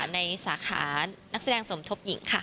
ในสาขานักแสดงสมทบหญิงค่ะ